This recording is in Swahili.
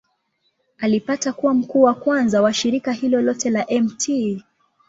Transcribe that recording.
Alipata kuwa mkuu wa kwanza wa shirika hilo lote la Mt.